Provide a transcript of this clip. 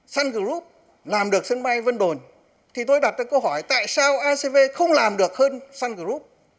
sun group làm được sân bay vân đồn thì tôi đặt ra câu hỏi tại sao acv không làm được hơn sun group